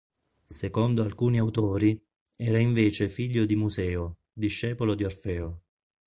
Secondo alcuni autori, era invece figlio di Museo, discepolo di Orfeo.